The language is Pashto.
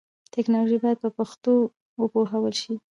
ټکنالوژي باید په پښتو وپوهول شي.